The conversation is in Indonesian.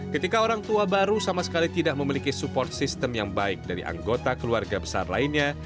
ketika orang tua baru sama sekali tidak memiliki support system yang baik dari anggota keluarga besar lainnya